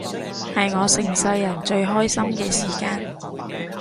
係我成世人最開心嘅時間